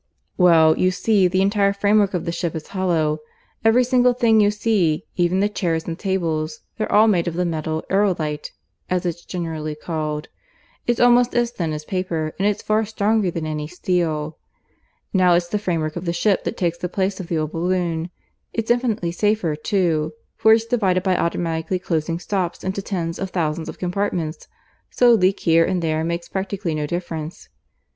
"Well, you see the entire framework of the ship is hollow. Every single thing you see even the chairs and tables they're all made of the metal aerolite (as it's generally called). It's almost as thin as paper, and it's far stronger than any steel. Now it's the framework of the ship that takes the place of the old balloon. It's infinitely safer, too, for it's divided by automatically closing stops into tens of thousands of compartments, so a leak here and there makes practically no difference.